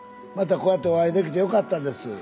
またこうやってお会いできてよかったです。